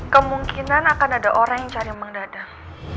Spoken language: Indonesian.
kemungkinan akan ada orang yang cari mang dadang